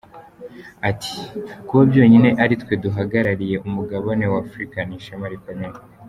Ati «Kuba byonyine aritwe duhagarariye umugabane wa Afurika ni ishema rikomeye.